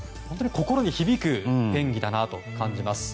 心に響く演技だなと感じます。